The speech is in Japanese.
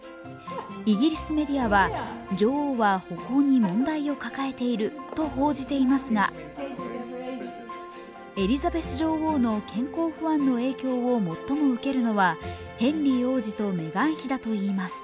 イギリスメディアは女王は歩行に問題を抱えていると報じていますがエリザベス女王の健康不安の影響を最も受けるのはヘンリー王子とメガン妃だといいます。